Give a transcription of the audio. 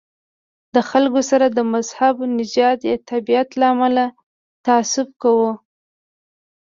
له خلکو سره د مذهب، نژاد یا تابعیت له امله تعصب کوو.